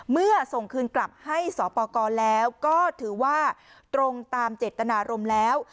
เมื่อส่งคืนกลับให้สปกรแล้วก็ถือว่าตรงตามเจตนารมณ์แล้ว